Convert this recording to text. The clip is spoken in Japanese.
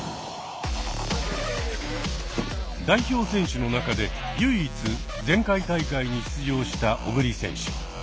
代表選手の中で唯一前回大会に出場した小栗選手。